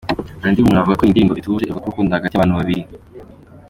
Andy Bumuntu avuga ko iyo ndirimbo ituje, ivuga ku rukundo hagati y’abantu babiri.